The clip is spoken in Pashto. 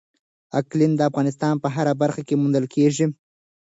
اقلیم د افغانستان په هره برخه کې موندل کېږي.